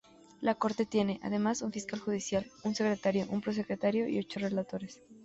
La Corte tiene, además, un fiscal judicial, un secretario, un prosecretario y ocho relatores.